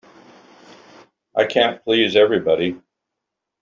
I can't please everybody.